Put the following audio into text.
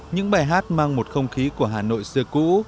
những bài hát mang một không khí của hà nội xưa cũ